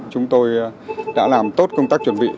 chúng tôi đã làm tốt công tác chuẩn bị